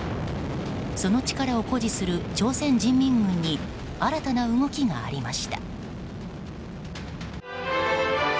その力を誇示する朝鮮人民軍に新たな動きがありました。